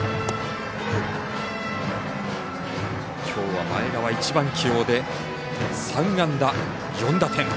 きょうは前川、１番起用で３安打４打点。